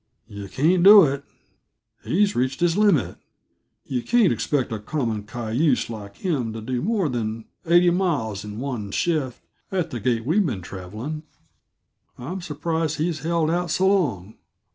"Yuh can't do it; he's reached his limit. Yuh can't expect a common cayuse like him to do more than eighty miles in one shift at the gait we've been traveling. I'm surprised he's held out so long.